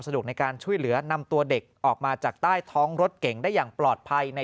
ในการช่วยเหลือนำตัวเด็กออกมาจากใต้ท้องรถเก่งได้อย่างปลอดภัยใน